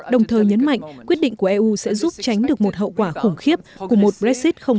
đồng thời nhấn mạnh quyết định của eu sẽ giúp tránh được một hậu quả khủng khiếp của một brexit không